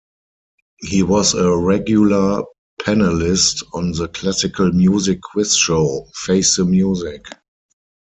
He was a regular panellist on the classical music quiz show "Face the Music".